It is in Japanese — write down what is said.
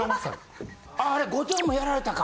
ああれ後藤もやられたか。